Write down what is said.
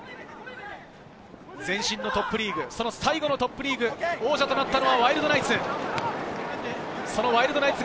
前身のトップリーグ、最後のトップリーグ王者となったのはワイルドナイツ。